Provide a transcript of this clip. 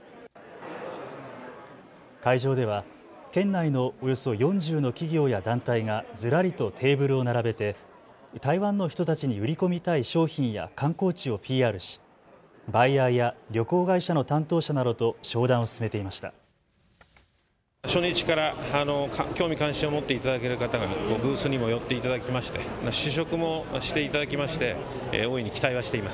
会場では県内のおよそ４０の企業や団体がずらりとテーブルを並べて台湾の人たちに売り込みたい商品や観光地をＰＲし、バイヤーや旅行会社の担当者などと商談を進めていました。